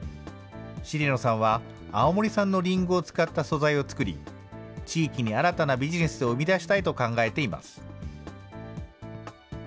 重野さんは青森産のりんごを使った素材を作り、地域に新たなビジネスを生み出したいと考えています。